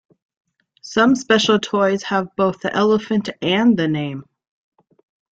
Some special toys have both the elephant and the name.